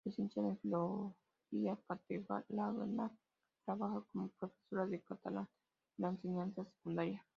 Licenciada en filología catalana, trabaja como profesora de catalán en la enseñanza secundaria.